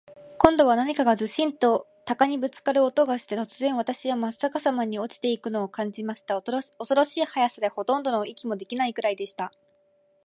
今度は何かズシンと鷲にぶっつかる音がして、突然、私はまっ逆さまに落ちて行くのを感じました。恐ろしい速さで、ほとんど息もできないくらいでした。